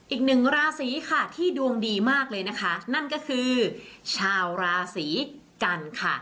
อีกหนึ่งราศีค่ะที่ดวงดีมากเลยนะคะนั่นก็คือชาวราศีกันค่ะ